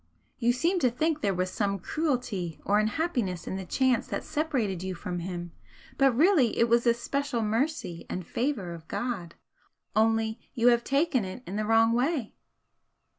You seem to think there was some cruelty or unhappiness in the chance that separated you from him, but really it was a special mercy and favour of God only you have taken it in the wrong way."